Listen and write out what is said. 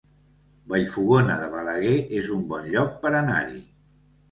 Vallfogona de Balaguer es un bon lloc per anar-hi